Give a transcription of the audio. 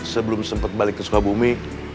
sebelum sempat balik ke sukabumi